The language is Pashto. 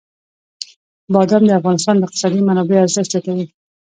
بادام د افغانستان د اقتصادي منابعو ارزښت زیاتوي.